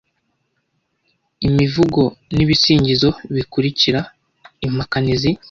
Imivugo Ni ibisingizo bikurikira impakanizi